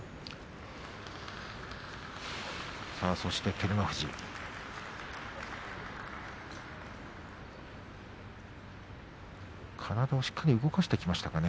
そして照ノ富士体をしっかり動かしてきましたかね。